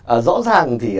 ờ rõ ràng thì